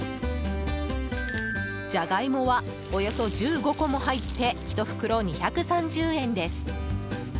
ジャガイモはおよそ１５個も入って１袋２３０円です。